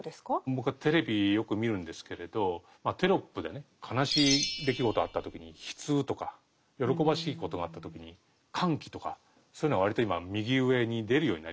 僕はテレビよく見るんですけれどテロップでね悲しい出来事あった時に「悲痛」とか喜ばしいことがあった時に「歓喜」とかそういうのが割と今右上に出るようになりましたよね。